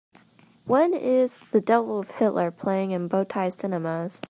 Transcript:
When is The Devil with Hitler playing in Bow Tie Cinemas